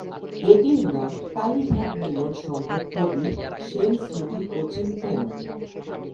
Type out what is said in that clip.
এটির নাম Kalighat Milan Sangha Prabir Sen Smriti coaching camp.